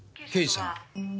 刑事さん。